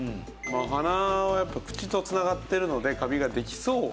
鼻はやっぱ口と繋がってるのでカビができそうだなと。